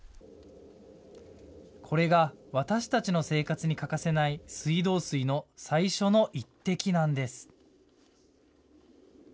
これが私たちの生活に欠かせない水道水の最初の１滴なんです。